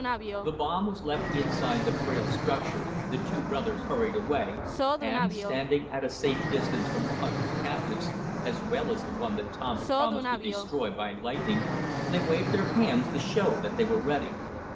The bomb was left inside the frail structure, the two brothers hurried away, and, standing at a safe distance from the hut of the captives, as well as the one that Tom had promised to destroy by lightning, they waved their hands to show that they were ready.